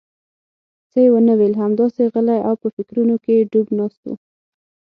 څه یې ونه ویل، همداسې غلی او په فکرونو کې ډوب ناست و.